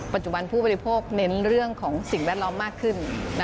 ปัจจุบันผู้บริโภคเน้นเรื่องของสิ่งแวดล้อมมากขึ้น